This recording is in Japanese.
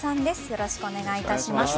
よろしくお願いします。